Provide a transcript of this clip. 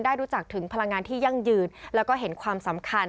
รู้จักถึงพลังงานที่ยั่งยืนแล้วก็เห็นความสำคัญ